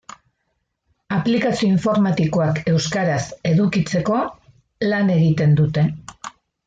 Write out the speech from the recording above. Aplikazio informatikoak euskaraz edukitzeko lan egiten dute.